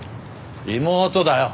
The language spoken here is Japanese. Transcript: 妹だよ。